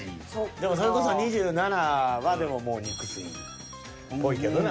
でもそれこそ２７はでももう肉吸いっぽいけどな。